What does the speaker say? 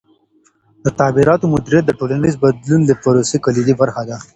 د تغییراتو مدیریت د ټولنیز بدلون د پروسې کلیدي برخه ده.